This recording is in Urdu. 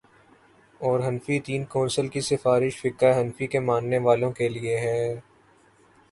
اورحنفی تین کونسل کی سفارش فقہ حنفی کے ماننے والوں کے لیے ہے۔